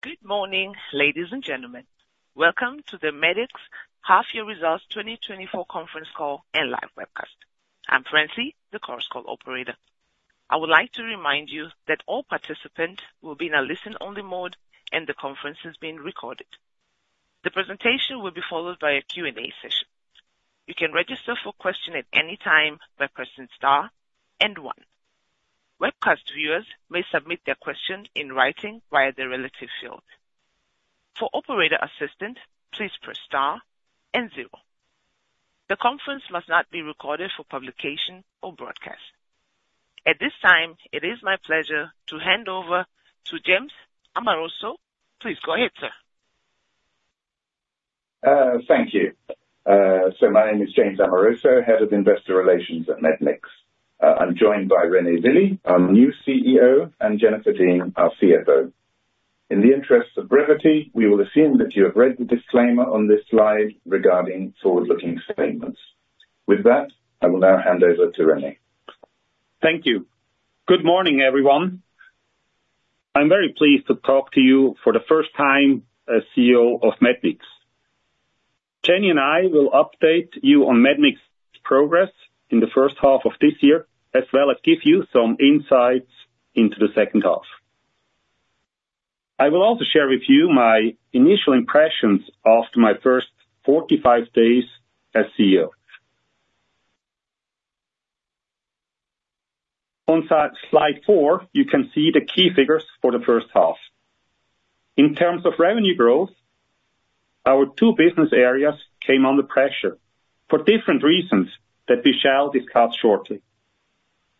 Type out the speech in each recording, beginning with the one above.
Good morning, ladies and gentlemen. Welcome to the Medmix half year results 2024 conference call and live webcast. I'm Francie, the conference call operator. I would like to remind you that all participants will be in a listen-only mode, and the conference is being recorded. The presentation will be followed by a Q&A session. You can register for questions at any time by pressing star and one. Webcast viewers may submit their questions in writing via the relevant field. For operator assistance, please press star and zero. The conference must not be recorded for publication or broadcast. At this time, it is my pleasure to hand over to James Amoroso. Please go ahead, sir. Thank you. So my name is James Amoroso, Head of Investor Relations at Medmix. I'm joined by René Willi, our new CEO, and Jennifer Dean, our CFO. In the interest of brevity, we will assume that you have read the disclaimer on this slide regarding forward-looking statements. With that, I will now hand over to René. Thank you. Good morning, everyone. I'm very pleased to talk to you for the first time as CEO of Medmix. Jenny and I will update you on Medmix progress in the first half of this year, as well as give you some insights into the second half. I will also share with you my initial impressions after my first 45 days as CEO. On slide 4, you can see the key figures for the first half. In terms of revenue growth, our two business areas came under pressure for different reasons that we shall discuss shortly.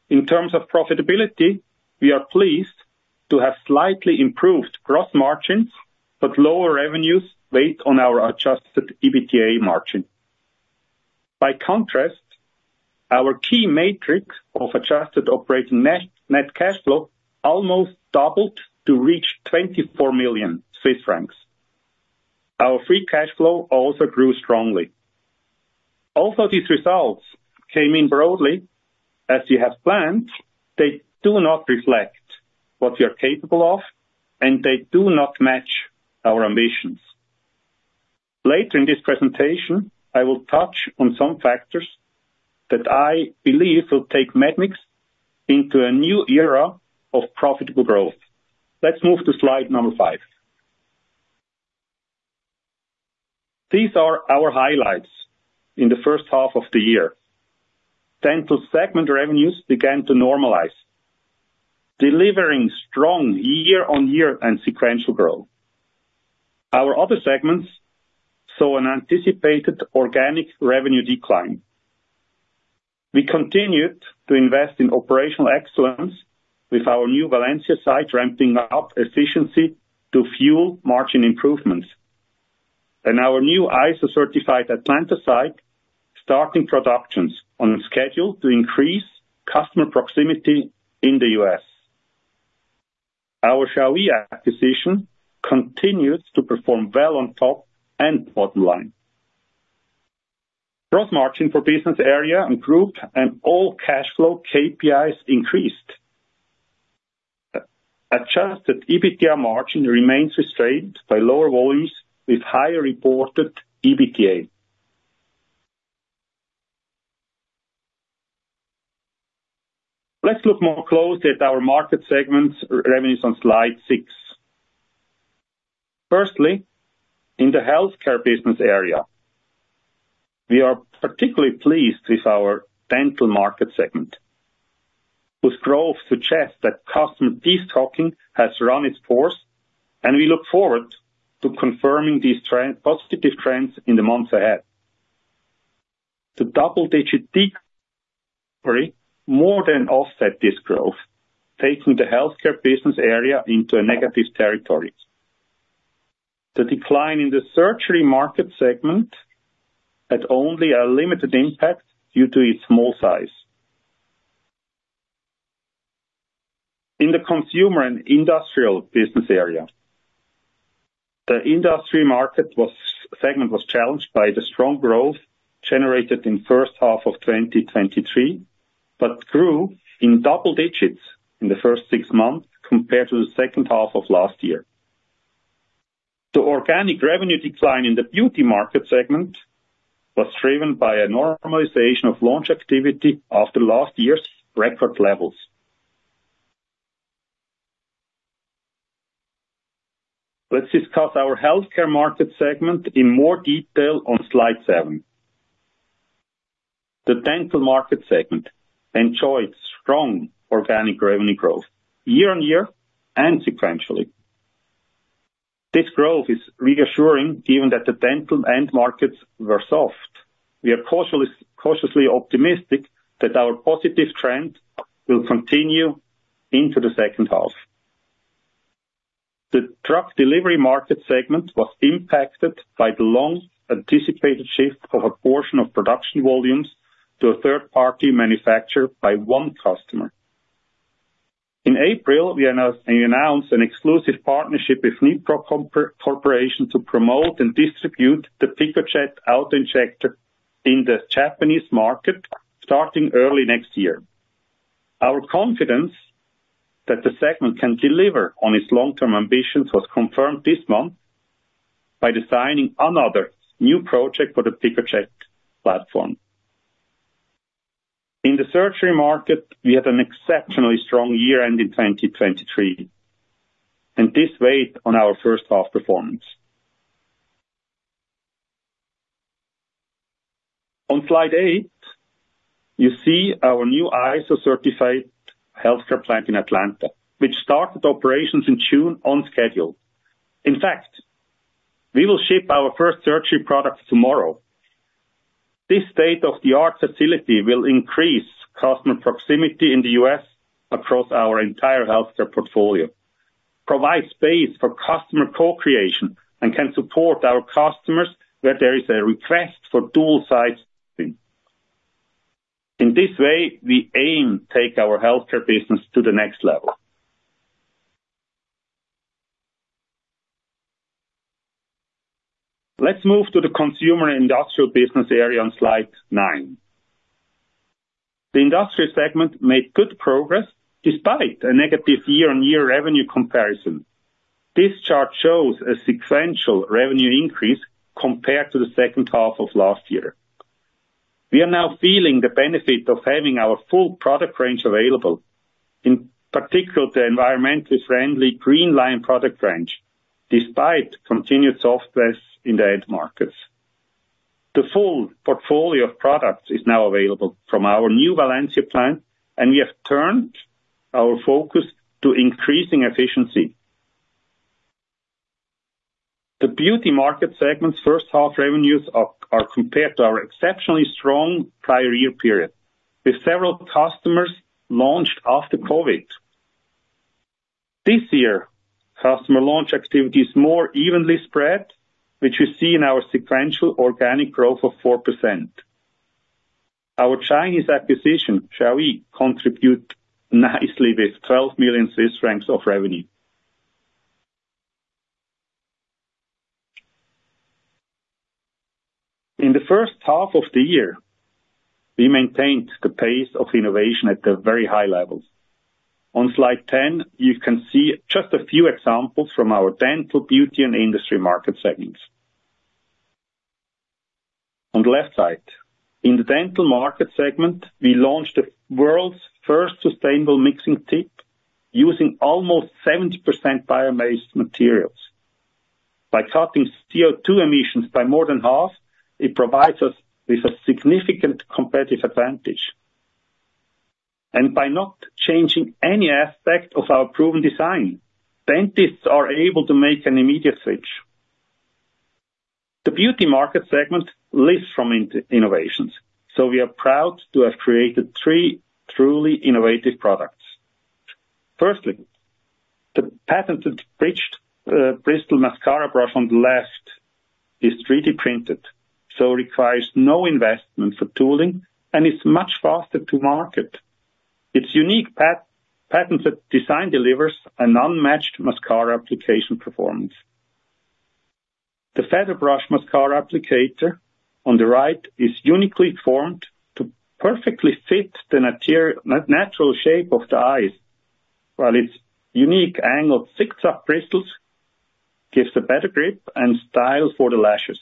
In terms of profitability, we are pleased to have slightly improved gross margins, but lower revenues weighed on our Adjusted EBITDA margin. By contrast, our key metric of adjusted operating net cash flow almost doubled to reach 24 million Swiss francs. Our free cash flow also grew strongly. Although these results came in broadly as we had planned, they do not reflect what we are capable of, and they do not match our ambitions. Later in this presentation, I will touch on some factors that I believe will take Medmix into a new era of profitable growth. Let's move to slide number five. These are our highlights in the first half of the year. Dental segment revenues began to normalize, delivering strong year-on-year and sequential growth. Our other segments saw an anticipated organic revenue decline. We continued to invest in operational excellence with our new Valencia site, ramping up efficiency to fuel margin improvements, and our new ISO-certified Atlanta site, starting productions on schedule to increase customer proximity in the U.S. Our Qiaoyi acquisition continues to perform well on top and bottom line. Gross margin for business area improved, and all cash flow KPIs increased. Adjusted EBITDA margin remains restrained by lower volumes with higher reported EBITDA. Let's look more closely at our market segments revenues on slide 6. Firstly, in the healthcare business area, we are particularly pleased with our dental market segment, whose growth suggests that customer destocking has run its course, and we look forward to confirming these positive trends in the months ahead. The double-digit decrease more than offset this growth, taking the healthcare business area into a negative territory. The decline in the surgery market segment had only a limited impact due to its small size. In the consumer and industrial business area, the industry market segment was challenged by the strong growth generated in first half of 2023, but grew in double digits in the first six months compared to the second half of last year. The organic revenue decline in the beauty market segment was driven by a normalization of launch activity after last year's record levels. Let's discuss our healthcare market segment in more detail on slide seven. The dental market segment enjoyed strong organic revenue growth year on year and sequentially. This growth is reassuring given that the dental end markets were soft. We are cautiously, cautiously optimistic that our positive trend will continue into the second half. The drug delivery market segment was impacted by the long-anticipated shift of a portion of production volumes to a third-party manufacturer by one customer. In April, we announced, we announced an exclusive partnership with Nipro Corporation to promote and distribute the PiccoJect autoinjector in the Japanese market starting early next year. Our confidence that the segment can deliver on its long-term ambitions was confirmed this month by designing another new project for the PiccoJect platform. In the surgery market, we had an exceptionally strong year-end in 2023, and this weighed on our first half performance. On slide eight, you see our new ISO-certified healthcare plant in Atlanta, which started operations in June on schedule. In fact, we will ship our first surgery products tomorrow. This state-of-the-art facility will increase customer proximity in the U.S. across our entire healthcare portfolio, provide space for customer co-creation, and can support our customers where there is a request for dual-size. In this way, we aim to take our healthcare business to the next level. Let's move to the consumer and industrial business area on slide nine. The industrial segment made good progress despite a negative year-on-year revenue comparison. This chart shows a sequential revenue increase compared to the second half of last year. We are now feeling the benefit of having our full product range available, in particular, the environmentally friendly greenLine product range, despite continued softness in the end markets. The full portfolio of products is now available from our new Valencia plant, and we have turned our focus to increasing efficiency. The beauty market segment's first half revenues are compared to our exceptionally strong prior year period, with several customers launched after COVID. This year, customer launch activity is more evenly spread, which you see in our sequential organic growth of 4%. Our Chinese acquisition, Qiaoyi, contributes nicely with 12 million Swiss francs of revenue. In the first half of the year, we maintained the pace of innovation at a very high level. On slide 10, you can see just a few examples from our dental, beauty, and industry market segments. On the left side, in the dental market segment, we launched the world's first sustainable mixing tip, using almost 70% biomass materials. By cutting CO2 emissions by more than half, it provides us with a significant competitive advantage. By not changing any aspect of our proven design, dentists are able to make an immediate switch. The beauty market segment lives from innovations, so we are proud to have created three truly innovative products. Firstly, the patented bridged-bristle mascara brush on the left is 3D printed, so requires no investment for tooling and is much faster to market. Its unique patented design delivers an unmatched mascara application performance. The Feather brush mascara applicator on the right is uniquely formed to perfectly fit the natural shape of the eyes, while its unique angled zigzag bristles gives a better grip and style for the lashes.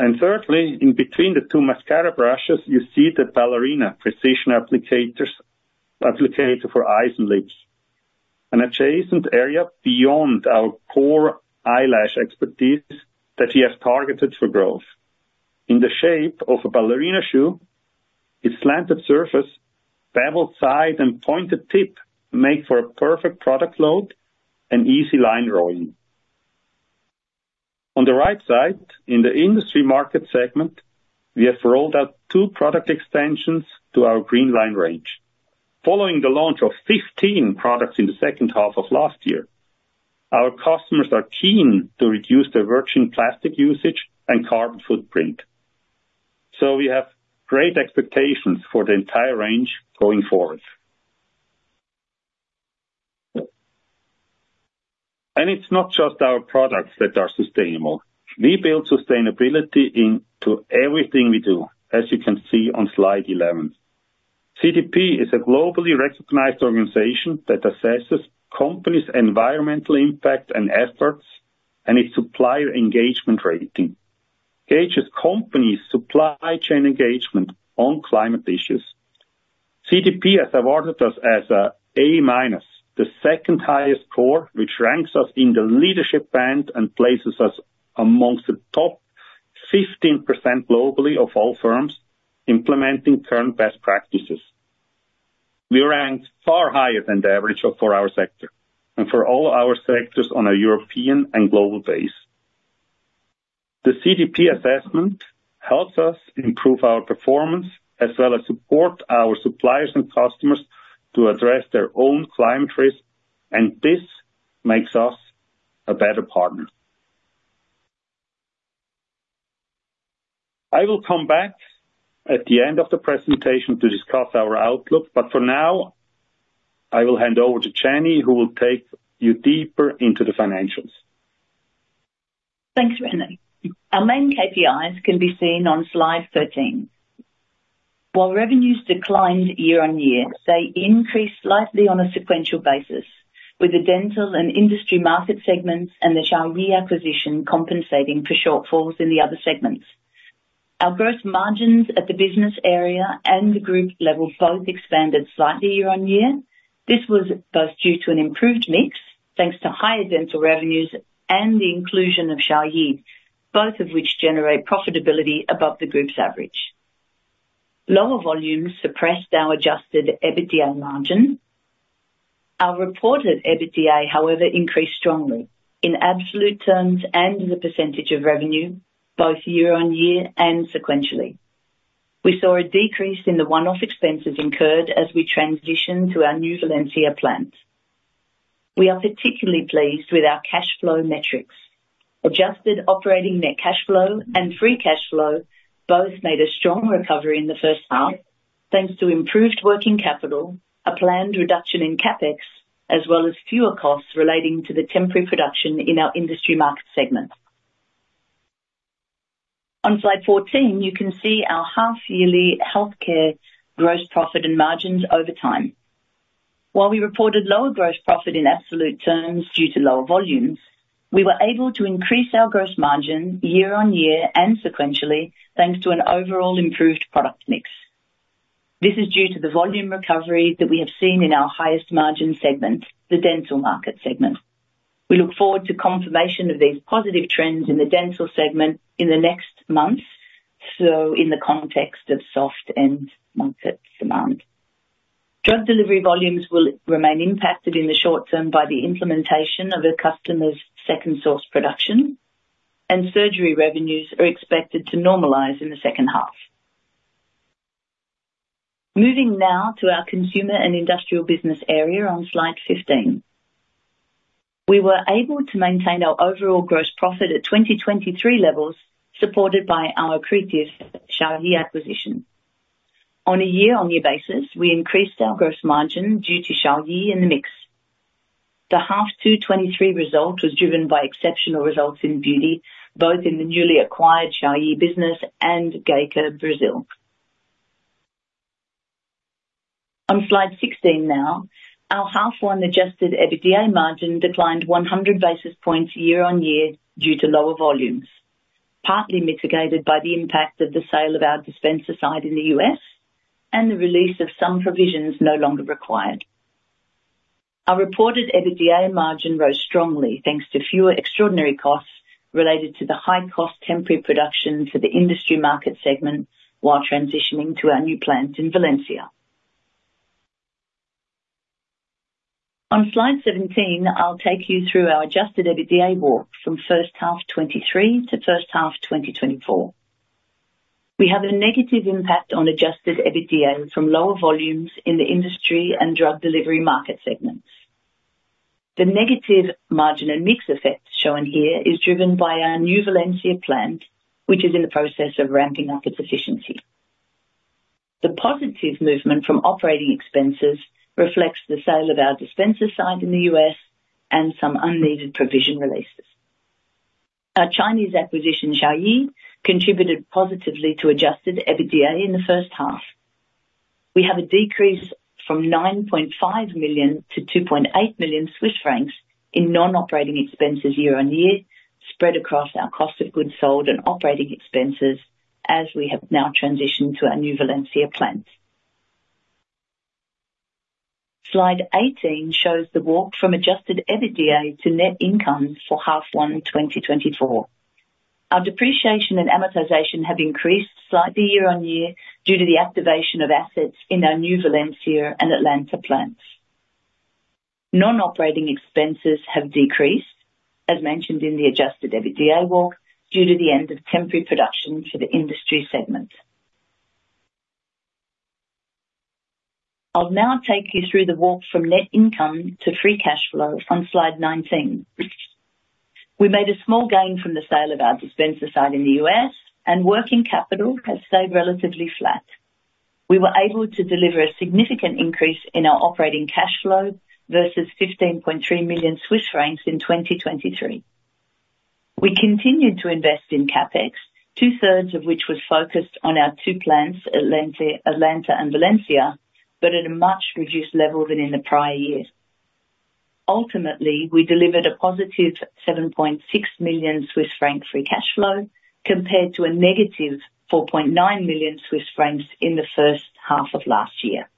And thirdly, in between the two mascara brushes, you see the Ballerina precision applicators, applicator for eyes and lips, an adjacent area beyond our core eyelash expertise that we have targeted for growth. In the shape of a Ballerina shoe, its slanted surface, beveled side, and pointed tip make for a perfect product load and easy line drawing. On the right side, in the industry market segment, we have rolled out two product extensions to our greenLine range. Following the launch of 15 products in the second half of last year, our customers are keen to reduce their virgin plastic usage and carbon footprint. So we have great expectations for the entire range going forward. And it's not just our products that are sustainable. We build sustainability into everything we do, as you can see on slide 11. CDP is a globally recognized organization that assesses companies' environmental impact and efforts and its supplier engagement rating, gauges companies' supply chain engagement on climate issues. CDP has awarded us an A-, the second highest score, which ranks us in the leadership band and places us among the top 15% globally of all firms implementing current best practices. We rank far higher than the average for our sector, and for all our sectors on a European and global basis. The CDP assessment helps us improve our performance, as well as support our suppliers and customers to address their own climate risk, and this makes us a better partner. I will come back at the end of the presentation to discuss our outlook, but for now, I will hand over to Jenny, who will take you deeper into the financials.... Thanks, René. Our main KPIs can be seen on slide 13. While revenues declined year-over-year, they increased slightly on a sequential basis, with the dental and industry market segments and the Qiaoyi acquisition compensating for shortfalls in the other segments. Our gross margins at the business area and the group level both expanded slightly year-over-year. This was both due to an improved mix, thanks to higher dental revenues and the inclusion of Qiaoyi, both of which generate profitability above the group's average. Lower volumes suppressed our adjusted EBITDA margin. Our reported EBITDA, however, increased strongly in absolute terms and as a percentage of revenue, both year-over-year and sequentially. We saw a decrease in the one-off expenses incurred as we transition to our new Valencia plant. We are particularly pleased with our cash flow metrics. Adjusted operating net cash flow and free cash flow both made a strong recovery in the first half, thanks to improved working capital, a planned reduction in CapEx, as well as fewer costs relating to the temporary production in our industry market segment. On slide 14, you can see our half-yearly healthcare gross profit and margins over time. While we reported lower gross profit in absolute terms due to lower volumes, we were able to increase our gross margin year-on-year and sequentially, thanks to an overall improved product mix. This is due to the volume recovery that we have seen in our highest margin segment, the dental market segment. We look forward to confirmation of these positive trends in the dental segment in the next months, so in the context of soft end market demand. Drug delivery volumes will remain impacted in the short term by the implementation of a customer's second source production, and surgery revenues are expected to normalize in the second half. Moving now to our consumer and industrial business area on slide 15. We were able to maintain our overall gross profit at 2023 levels, supported by our accretive Qiaoyi acquisition. On a year-on-year basis, we increased our gross margin due to Qiaoyi in the mix. The half two 2023 result was driven by exceptional results in beauty, both in the newly acquired Qiaoyi business and GEKA, Brazil. On slide 16 now. Our first half adjusted EBITDA margin declined 100 basis points year-on-year due to lower volumes, partly mitigated by the impact of the sale of our dispenser site in the U.S. and the release of some provisions no longer required. Our reported EBITDA margin rose strongly, thanks to fewer extraordinary costs related to the high cost temporary production for the industry market segment, while transitioning to our new plant in Valencia. On slide 17, I'll take you through our adjusted EBITDA walk from first half 2023 to first half 2024. We have a negative impact on adjusted EBITDA from lower volumes in the industry and drug delivery market segments. The negative margin and mix effect shown here is driven by our new Valencia plant, which is in the process of ramping up its efficiency. The positive movement from operating expenses reflects the sale of our dispenser side in the U.S. and some unneeded provision releases. Our Chinese acquisition, Qiaoyi, contributed positively to adjusted EBITDA in the first half. We have a decrease from 9.5 million to 2.8 million Swiss francs in non-operating expenses year-on-year, spread across our cost of goods sold and operating expenses, as we have now transitioned to our new Valencia plant. Slide 18 shows the walk from Adjusted EBITDA to net income for first half 2024. Our depreciation and amortization have increased slightly year-on-year due to the activation of assets in our new Valencia and Atlanta plants. Non-operating expenses have decreased, as mentioned in the Adjusted EBITDA walk, due to the end of temporary production for the industry segment. I'll now take you through the walk from net income to free cash flow on slide 19. We made a small gain from the sale of our dispenser side in the U.S., and working capital has stayed relatively flat. We were able to deliver a significant increase in our operating cash flow versus 15.3 million Swiss francs in 2023. We continued to invest in CapEx, two-thirds of which was focused on our two plants, Atlanta and Valencia, but at a much reduced level than in the prior years. Ultimately, we delivered a positive 7.6 million Swiss franc free cash flow, compared to a negative 4.9 million Swiss francs in the first half of last year.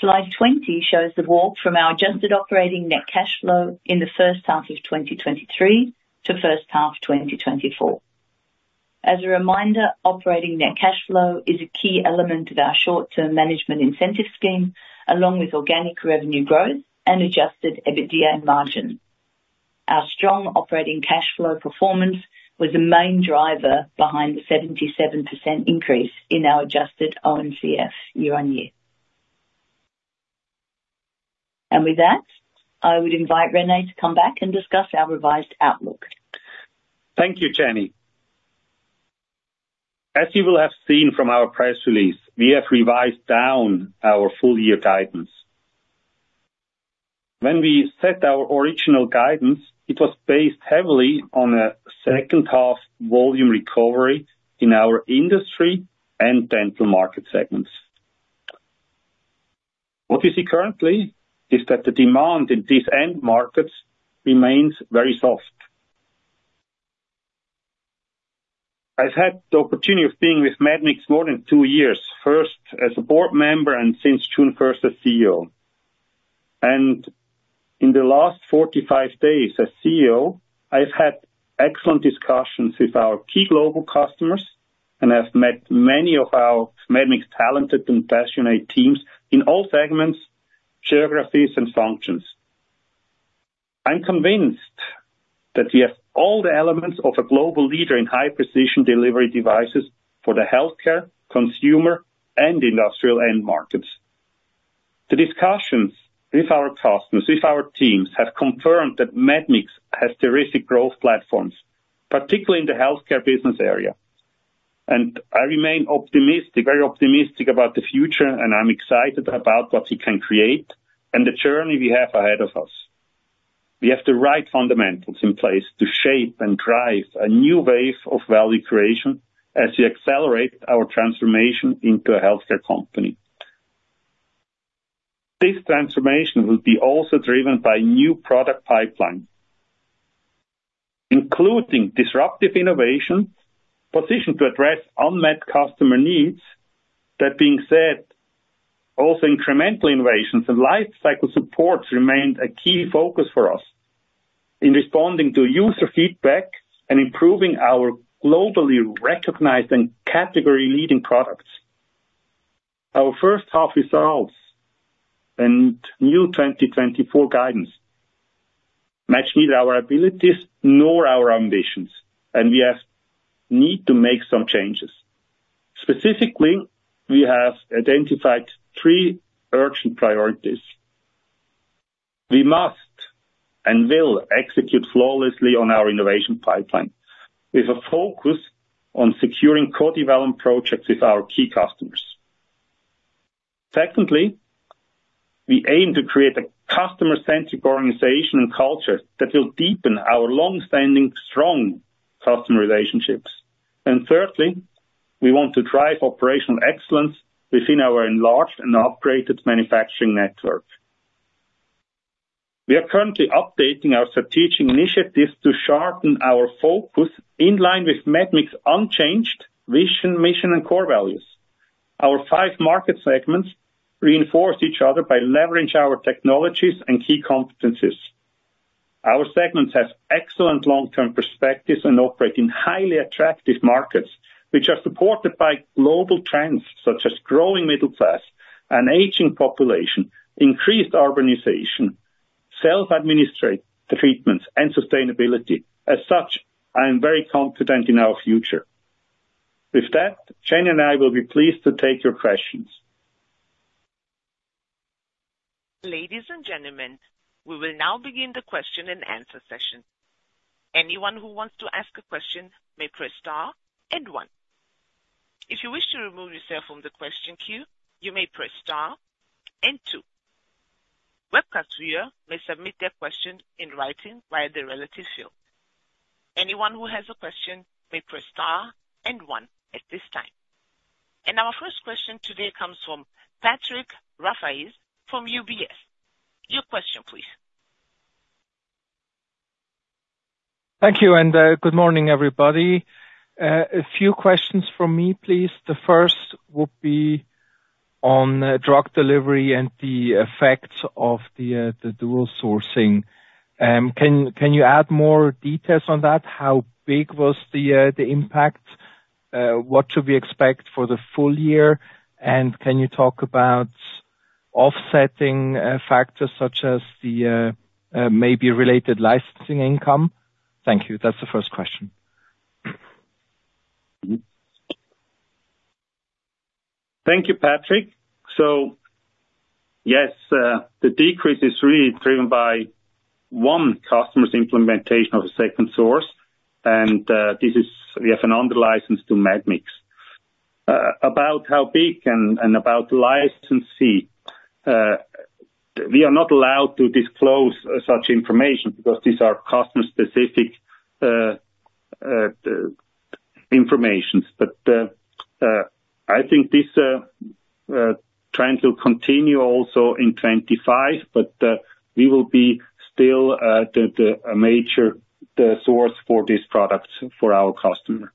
Slide 20 shows the walk from our adjusted operating net cash flow in the first half of 2023 to first half of 2024. As a reminder, operating net cash flow is a key element of our short-term management incentive scheme, along with organic revenue growth and adjusted EBITDA margin. Our strong operating cash flow performance was the main driver behind the 77% increase in our adjusted ONCF year-on-year. With that, I would invite René to come back and discuss our revised outlook. Thank you, Jenny. ...As you will have seen from our press release, we have revised down our full year guidance. When we set our original guidance, it was based heavily on a second half volume recovery in our industry and dental market segments. What we see currently is that the demand in these end markets remains very soft. I've had the opportunity of being with Medmix more than two years, first as a board member, and since June 1, as CEO. And in the last 45 days as CEO, I've had excellent discussions with our key global customers, and I've met many of our Medmix talented and passionate teams in all segments, geographies, and functions. I'm convinced that we have all the elements of a global leader in high precision delivery devices for the healthcare, consumer, and industrial end markets. The discussions with our customers, with our teams, have confirmed that Medmix has terrific growth platforms, particularly in the healthcare business area, and I remain optimistic, very optimistic about the future, and I'm excited about what we can create and the journey we have ahead of us. We have the right fundamentals in place to shape and drive a new wave of value creation as we accelerate our transformation into a healthcare company. This transformation will be also driven by new product pipeline, including disruptive innovation, positioned to address unmet customer needs. That being said, also incremental innovations and lifecycle supports remained a key focus for us in responding to user feedback and improving our globally recognized and category-leading products. Our first half results and new 2024 guidance match neither our abilities nor our ambitions, and we have need to make some changes. Specifically, we have identified three urgent priorities. We must and will execute flawlessly on our innovation pipeline, with a focus on securing co-development projects with our key customers. Secondly, we aim to create a customer-centric organization and culture that will deepen our long-standing, strong customer relationships. And thirdly, we want to drive operational excellence within our enlarged and upgraded manufacturing network. We are currently updating our strategic initiatives to sharpen our focus in line with Medmix unchanged vision, mission, and core values. Our five market segments reinforce each other by leveraging our technologies and key competencies. Our segments have excellent long-term perspectives and operate in highly attractive markets, which are supported by global trends such as growing middle class and aging population, increased urbanization, self-administered treatments, and sustainability. As such, I am very confident in our future. With that, Jenny and I will be pleased to take your questions. Ladies and gentlemen, we will now begin the question-and-answer session. Anyone who wants to ask a question may press star and one. If you wish to remove yourself from the question queue, you may press star and two. Webcast viewers may submit their question in writing via the relevant field. Anyone who has a question may press star and one at this time. Our first question today comes from Patrick Rafaisz from UBS. Your question, please. Thank you, and good morning, everybody. A few questions from me, please. The first would be on drug delivery and the effects of the dual sourcing. Can you add more details on that? How big was the impact? What should we expect for the full year? And can you talk about offsetting factors such as the maybe related licensing income? Thank you. That's the first question. Thank you, Patrick. So, yes, the decrease is really driven by one customer's implementation of a second source, and this is, we have under license to Medmix. About how big and about licensee, we are not allowed to disclose such information because these are customer-specific information. But, I think this trying to continue also in 2025, but we will be still a major source for this product for our customer.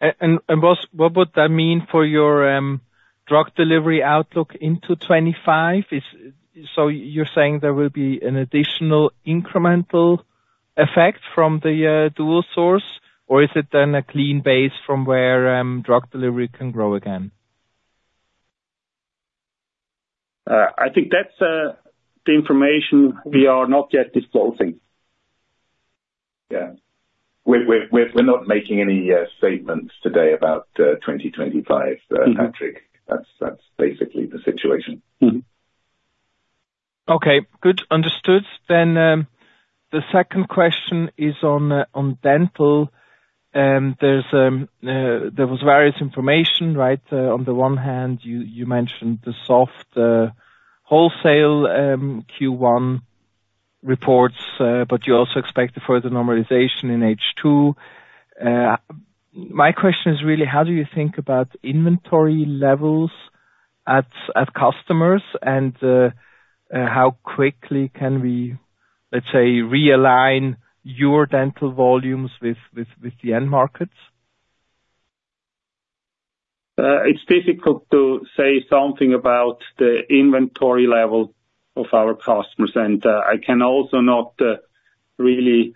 What would that mean for your drug delivery outlook into 2025? So you're saying there will be an additional incremental effect from the dual source? Or is it then a clean base from where drug delivery can grow again? I think that's the information we are not yet disclosing. Yeah. We're not making any statements today about 2025, Patrick. Mm-hmm. That's basically the situation. Mm-hmm. Okay, good. Understood. Then, the second question is on dental. There's various information, right? On the one hand, you mentioned the soft wholesale Q1 reports, but you also expect a further normalization in H2. My question is really, how do you think about inventory levels at customers? And how quickly can we, let's say, realign your dental volumes with the end markets? It's difficult to say something about the inventory level of our customers. I can also not really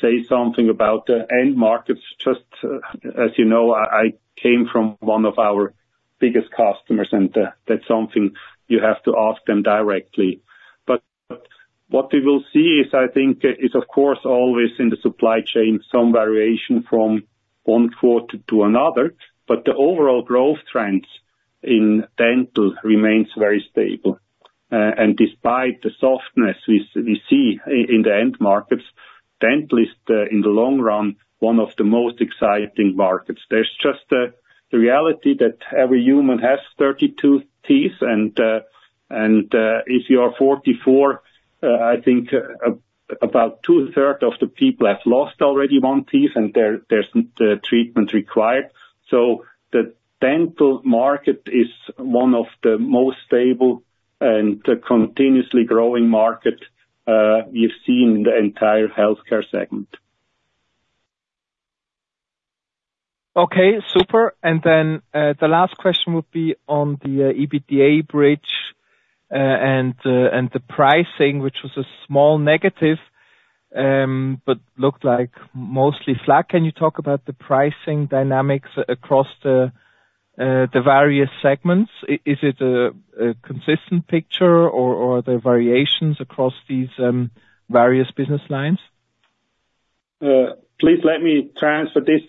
say something about the end markets. Just as you know, I came from one of our biggest customers, and that's something you have to ask them directly. But what we will see is, I think, of course, always in the supply chain, some variation from one quarter to another, but the overall growth trends in dental remains very stable. And despite the softness we see in the end markets, dental is, in the long run, one of the most exciting markets. There's just the reality that every human has 32 teeth, and if you are 44, I think about two-thirds of the people have lost already one tooth, and there's treatment required. The dental market is one of the most stable and continuously growing market we've seen in the entire healthcare segment. Okay, super. And then the last question would be on the EBITDA bridge and the pricing, which was a small negative but looked like mostly flat. Can you talk about the pricing dynamics across the various segments? Is it a consistent picture or are there variations across these various business lines? Please let me transfer this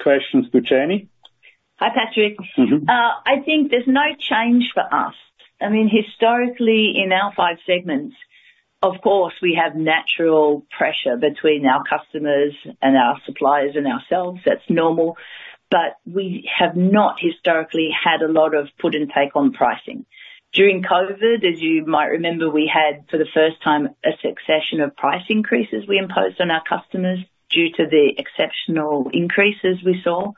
question to Jenny. Hi, Patrick. Mm-hmm. I think there's no change for us. I mean, historically, in our five segments, of course, we have natural pressure between our customers and our suppliers and ourselves. That's normal, but we have not historically had a lot of put and take on pricing. During COVID, as you might remember, we had, for the first time, a succession of price increases we imposed on our customers due to the exceptional increases we saw.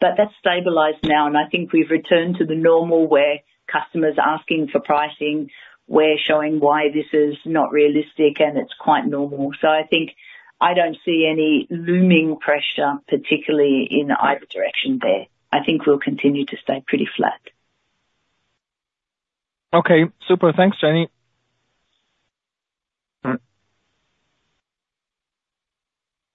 But that's stabilized now, and I think we've returned to the normal, where customers are asking for pricing, we're showing why this is not realistic, and it's quite normal. So I think I don't see any looming pressure, particularly in either direction there. I think we'll continue to stay pretty flat. Okay, super. Thanks, Jenny. Mm.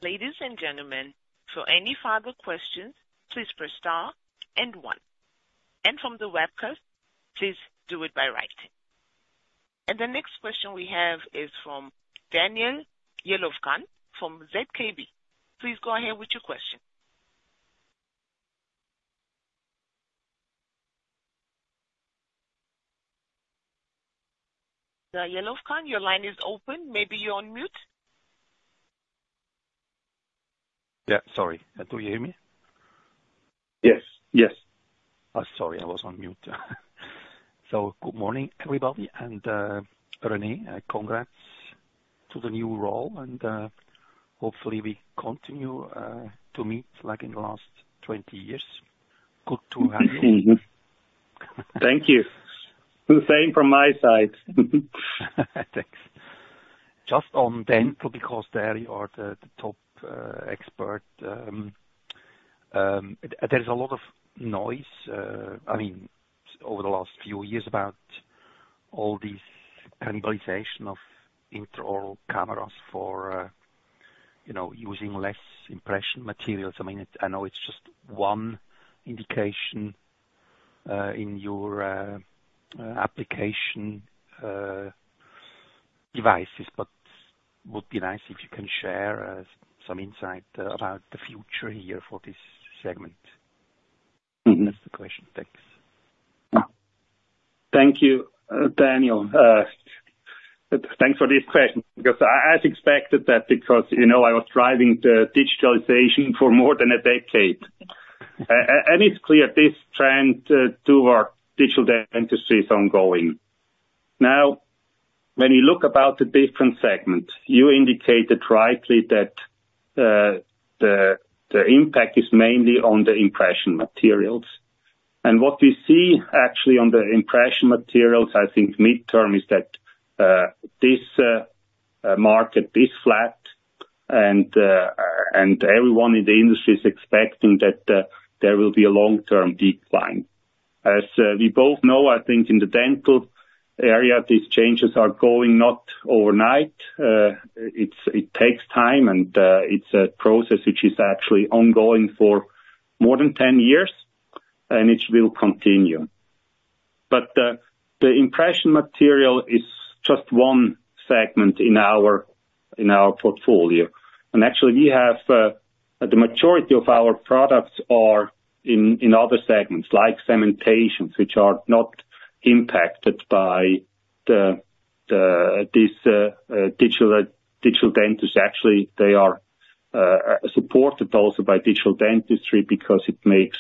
Ladies and gentlemen, for any further questions, please press star and one. And from the webcast, please do it by writing. And the next question we have is from Daniel Jelovcan from ZKB. Please go ahead with your question. Jelovcan, your line is open. Maybe you're on mute? Yeah, sorry. Do you hear me? Yes. Yes. Sorry, I was on mute. Good morning, everybody, and René, congrats to the new role, and hopefully we continue to meet like in the last 20 years. Good to have you. Thank you. The same from my side. Thanks. Just on dental, because there you are the top expert. There's a lot of noise, I mean, over the last few years, about all these cannibalization of intraoral cameras for, you know, using less impression materials. I mean, I know it's just one indication in your application devices, but would be nice if you can share some insight about the future here for this segment. Mm-hmm. That's the question. Thanks. Thank you, Daniel. Thanks for this question, because I expected that because, you know, I was driving the digitalization for more than a decade. And it's clear this trend to digital dentistry is ongoing. Now, when you look about the different segments, you indicated rightly that the impact is mainly on the impression materials. And what we see actually on the impression materials, I think midterm, is that this market is flat, and everyone in the industry is expecting that there will be a long-term decline. As we both know, I think in the dental area, these changes are going not overnight. It takes time, and it's a process which is actually ongoing for more than 10 years, and it will continue. But the impression material is just one segment in our portfolio. Actually, we have the majority of our products are in other segments, like cementations, which are not impacted by the this digital dentistry. Actually, they are supported also by digital dentistry because it makes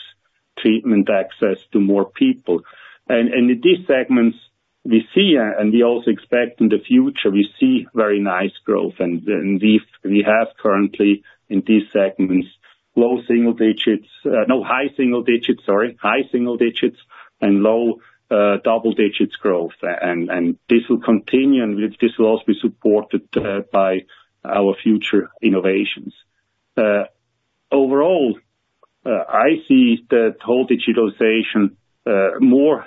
treatment access to more people. And we see, and we also expect in the future, we see very nice growth. And we have currently, in these segments, low single digits—no, high single digits, sorry, high single digits and low double digits growth. And this will continue, and this will also be supported by our future innovations. Overall, I see the total digitalization more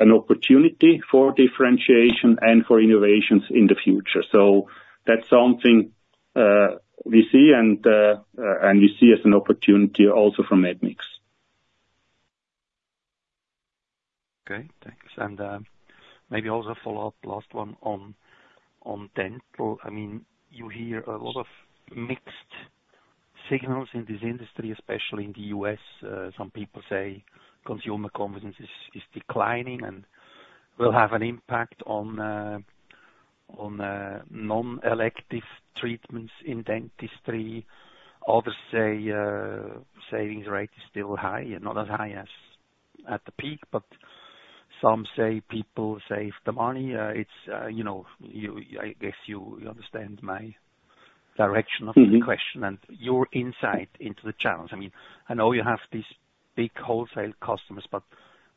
an opportunity for differentiation and for innovations in the future. So that's something we see as an opportunity also from Medmix. Okay, thanks. And maybe also a follow-up, last one on dental. I mean, you hear a lot of mixed signals in this industry, especially in the U.S.. Some people say consumer confidence is declining and will have an impact on non-elective treatments in dentistry. Others say savings rate is still high and not as high as at the peak, but some say people save the money. It's you know, you—I guess you understand my direction of the question. Mm-hmm. - and your insight into the channels. I mean, I know you have these big wholesale customers, but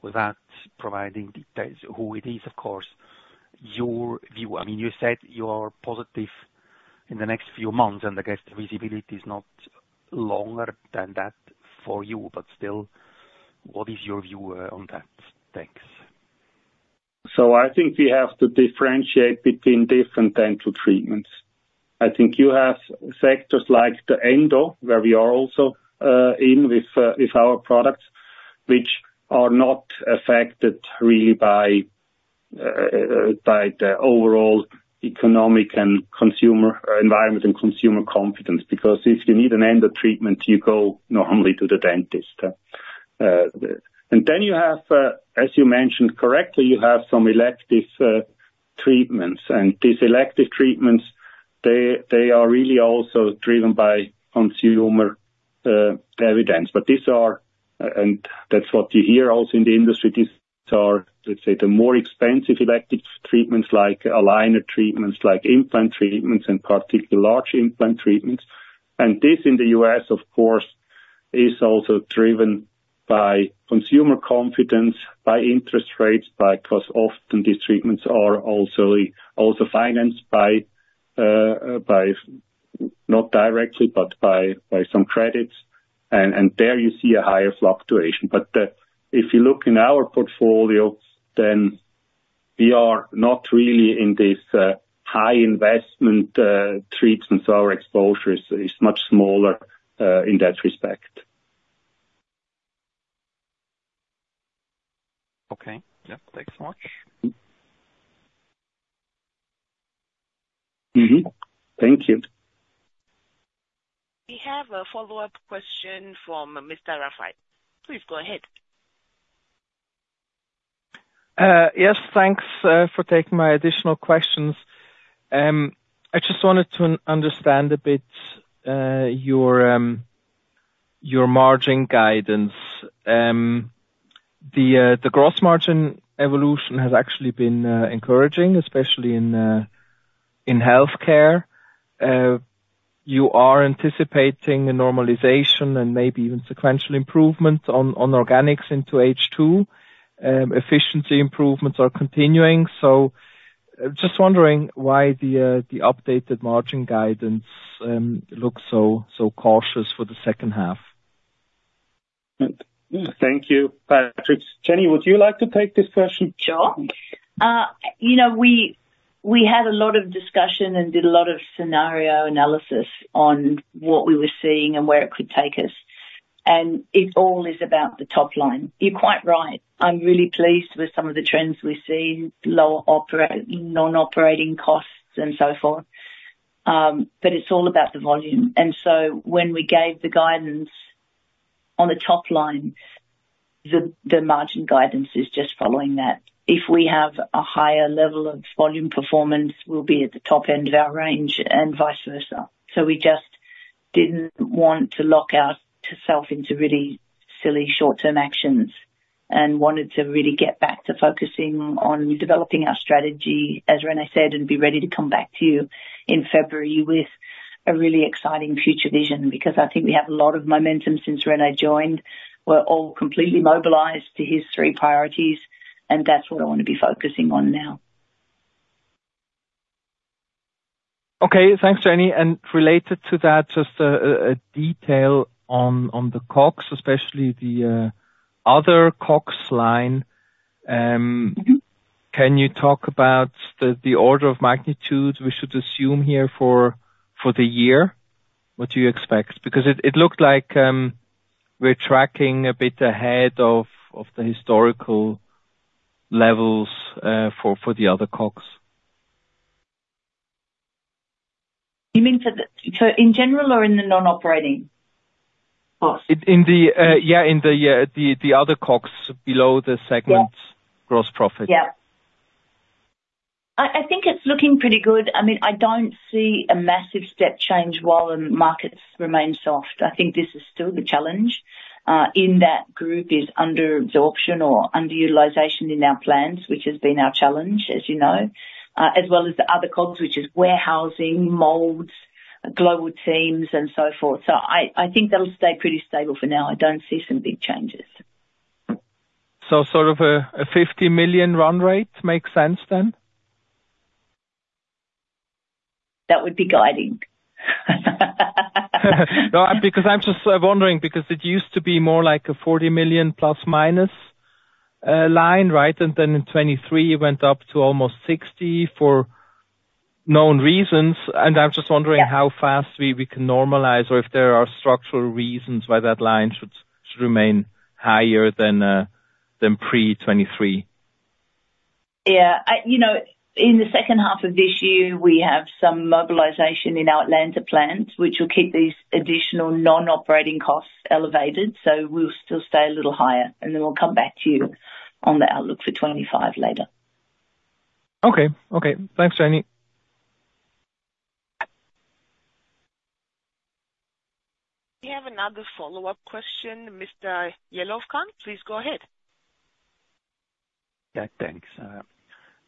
without providing details, who it is, of course, your view... I mean, you said you are positive in the next few months, and I guess the visibility is not longer than that for you, but still, what is your view, on that? Thanks. So I think we have to differentiate between different dental treatments. I think you have sectors like the endo, where we are also in with our products, which are not affected really by the overall economic and consumer environment and consumer confidence. Because if you need an endo treatment, you go normally to the dentist. And then you have, as you mentioned correctly, you have some elective treatments. And these elective treatments, they, they are really also driven by consumer evidence. But these are, and that's what you hear also in the industry, these are, let's say, the more expensive elective treatments, like aligner treatments, like implant treatments, and particularly large implant treatments. This, in the U.S., of course, is also driven by consumer confidence, by interest rates, because often these treatments are also financed by, not directly, but by some credits. There you see a higher fluctuation. But if you look in our portfolio, then we are not really in this high investment treatments. Our exposure is much smaller in that respect. Okay, yeah. Thanks so much. Mm-hmm. Thank you. We have a follow-up question from Mr. Rafaisz. Please go ahead. Yes, thanks for taking my additional questions. I just wanted to understand a bit your margin guidance. The gross margin evolution has actually been encouraging, especially in healthcare. You are anticipating a normalization and maybe even sequential improvement on organics into H2. Efficiency improvements are continuing. So just wondering why the updated margin guidance looks so cautious for the second half? Thank you, Patrick. Jenny, would you like to take this question? Sure. You know, we had a lot of discussion and did a lot of scenario analysis on what we were seeing and where it could take us, and it all is about the top line. You're quite right. I'm really pleased with some of the trends we've seen, lower non-operating costs and so forth. But it's all about the volume. And so when we gave the guidance on the top line, the margin guidance is just following that. If we have a higher level of volume performance, we'll be at the top end of our range and vice versa. So we just didn't want to lock ourselves into really silly short-term actions, and wanted to really get back to focusing on developing our strategy, as René said, and be ready to come back to you in February with a really exciting future vision. Because I think we have a lot of momentum since René joined. We're all completely mobilized to his three priorities, and that's what I want to be focusing on now. Okay. Thanks, Jenny. And related to that, just a detail on the COGS, especially the other COGS line. Mm-hmm. Can you talk about the order of magnitude we should assume here for the year? What do you expect? Because it looked like we're tracking a bit ahead of the historical.... levels, for the other COGS? You mean for the so in general or in the non-operating costs? In the other COGS below the segments- Yeah. -gross profit. Yeah. I think it's looking pretty good. I mean, I don't see a massive step change while the markets remain soft. I think this is still the challenge in that group is under absorption or underutilization in our plants, which has been our challenge, as you know, as well as the other COGS, which is warehousing, molds, global teams and so forth. So I think that'll stay pretty stable for now. I don't see some big changes. So sort of a 50 million run rate makes sense then? That would be guiding. No, because I'm just wondering, because it used to be more like a 40 million plus minus line, right? And then in 2023 it went up to almost 60 for known reasons, and I'm just wondering- Yeah. how fast we can normalize or if there are structural reasons why that line should remain higher than pre-2023. Yeah. You know, in the second half of this year, we have some mobilization in our Atlanta plant, which will keep these additional non-operating costs elevated. So we'll still stay a little higher, and then we'll come back to you on the outlook for 2025 later. Okay. Okay, thanks, Jenny. We have another follow-up question. Mr. Jelovcan, please go ahead. Yeah, thanks.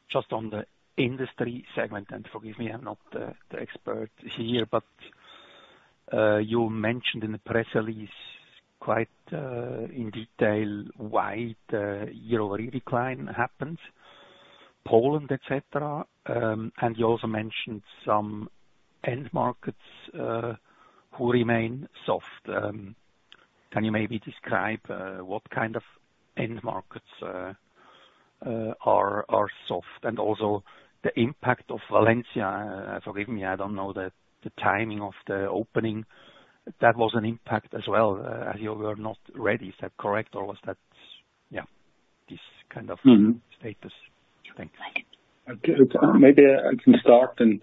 Just on the industry segment, and forgive me, I'm not the expert here, but you mentioned in the press release quite in detail why the year-over-year decline happened, Poland, et cetera. And you also mentioned some end markets who remain soft. Can you maybe describe what kind of end markets are soft? And also the impact of Valencia, forgive me, I don't know the timing of the opening. That was an impact as well, as you were not ready. Is that correct, or was that... Yeah, this kind of- Mm-hmm Status you think? Okay. Maybe I can start and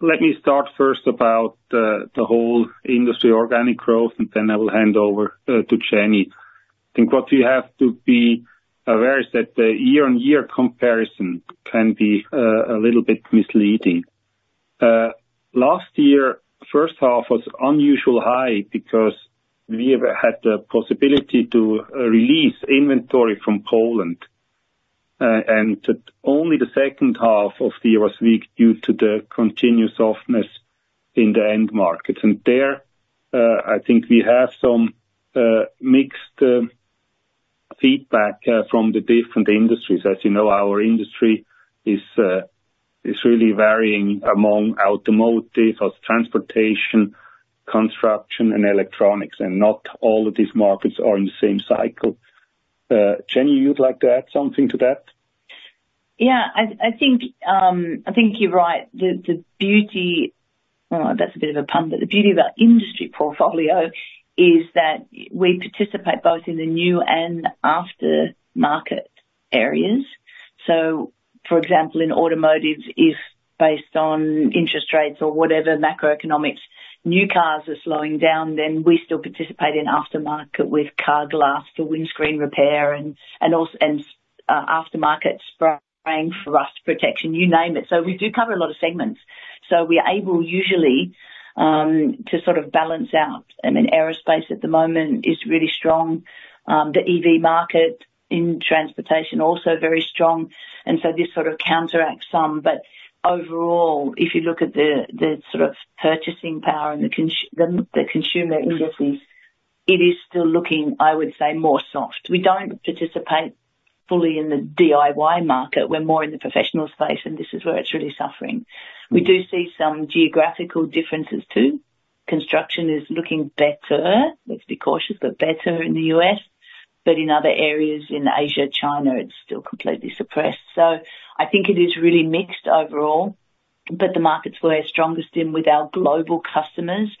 let me start first about the whole industry organic growth, and then I will hand over to Jenny. I think what we have to be aware is that the year-on-year comparison can be a little bit misleading. Last year, first half was unusually high because we have had the possibility to release inventory from Poland, and only the second half of the year was weak due to the continued softness in the end markets. And there, I think we have some mixed feedback from the different industries. As you know, our industry is really varying among automotive or transportation, construction and electronics, and not all of these markets are in the same cycle. Jenny, you'd like to add something to that? Yeah. I think you're right. The beauty, that's a bit of a pun, but the beauty of our industry portfolio is that we participate both in the new and after market areas. So for example, in automotives, if based on interest rates or whatever macroeconomics, new cars are slowing down, then we still participate in aftermarket with car glass for windscreen repair and also aftermarket spraying for rust protection, you name it. So we do cover a lot of segments, so we are able usually to sort of balance out. I mean, aerospace at the moment is really strong. The EV market in transportation, also very strong, and so this sort of counteracts some. But overall, if you look at the sort of purchasing power and the consumer indices, it is still looking, I would say, more soft. We don't participate fully in the DIY market. We're more in the professional space, and this is where it's really suffering. Mm-hmm. We do see some geographical differences, too. Construction is looking better. Let's be cautious, but better in the U.S., but in other areas in Asia, China, it's still completely suppressed. So I think it is really mixed overall, but the markets we're strongest in with our global customers,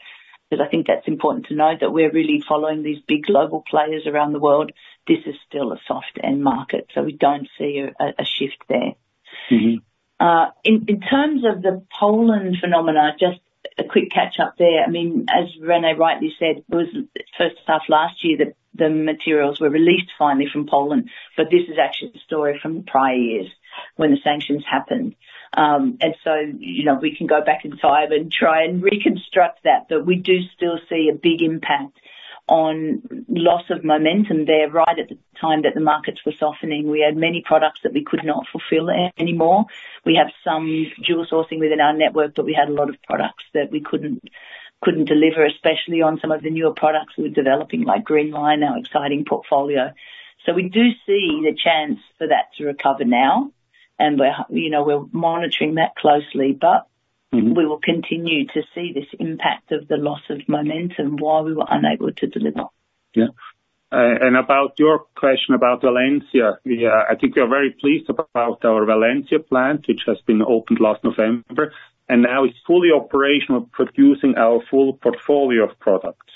but I think that's important to note, that we're really following these big global players around the world. This is still a soft end market, so we don't see a shift there. Mm-hmm. In terms of the Poland phenomena, just a quick catch-up there. I mean, as René rightly said, it was first half last year that the materials were released finally from Poland, but this is actually the story from the prior years when the sanctions happened. And so, you know, we can go back inside and try and reconstruct that, but we do still see a big impact on loss of momentum there. Right at the time that the markets were softening, we had many products that we could not fulfill there anymore. We have some dual sourcing within our network, but we had a lot of products that we couldn't deliver, especially on some of the newer products we were developing, like greenLine, our exciting portfolio. We do see the chance for that to recover now, and we're, you know, we're monitoring that closely, but Mm-hmm... we will continue to see this impact of the loss of momentum while we were unable to deliver. Yeah. And about your question about Valencia, yeah, I think we are very pleased about our Valencia plant, which has been opened last November and now is fully operational, producing our full portfolio of products.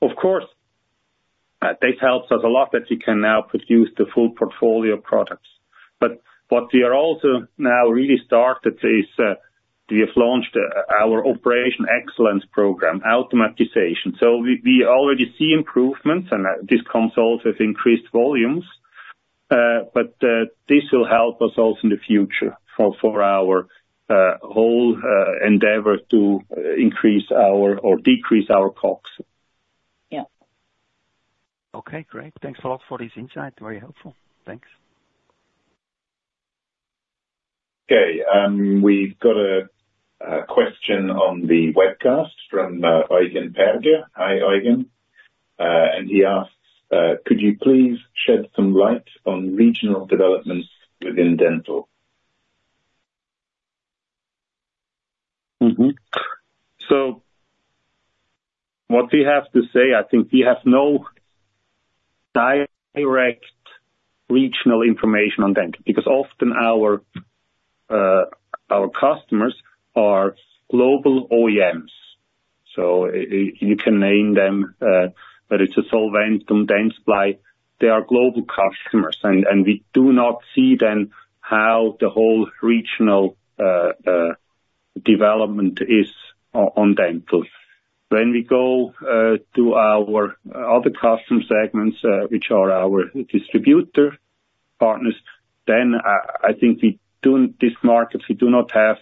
Of course, this helps us a lot, that we can now produce the full portfolio of products. But what we are also now really started is, we have launched our operation excellence program, automatization. So we already see improvements, and this comes also with increased volumes. But this will help us also in the future, for our whole endeavor to increase our, or decrease our COGS. Yeah. Okay, great. Thanks a lot for this insight. Very helpful. Thanks. Okay, we've got a question on the webcast from Eugen Perger. Hi, Eugen. And he asks, "Could you please shed some light on regional developments within dental? Mm-hmm. So what we have to say, I think we have no direct regional information on dental, because often our customers are global OEMs. So you can name them, but it's a client from Dentsply. They are global customers, and we do not see then how the whole regional development is on dental. When we go to our other customer segments, which are our distributor partners, then I think we do, in this market, we do not have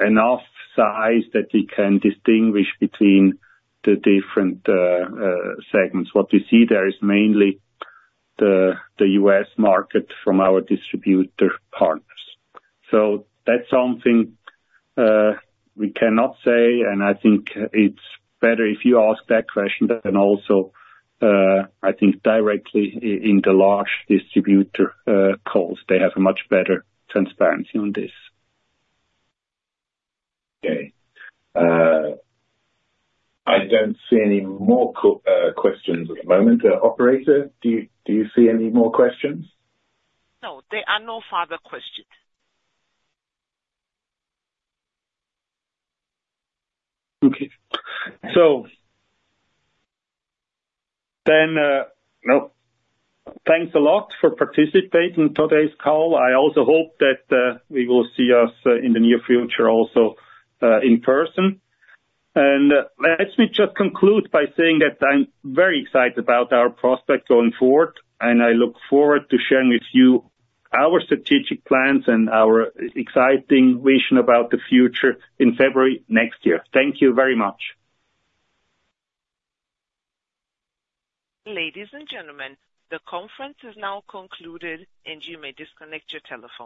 enough size that we can distinguish between the different segments. What we see there is mainly the U.S. market from our distributor partners. So that's something we cannot say, and I think it's better if you ask that question, then also I think directly in the large distributor calls. They have a much better transparency on this. Okay. I don't see any more questions at the moment. Operator, do you see any more questions? No, there are no further questions. Okay. Well, thanks a lot for participating in today's call. I also hope that we will see us in the near future, also, in person. Let me just conclude by saying that I'm very excited about our prospect going forward, and I look forward to sharing with you our strategic plans and our exciting vision about the future in February next year. Thank you very much. Ladies and gentlemen, the conference is now concluded, and you may disconnect your telephone.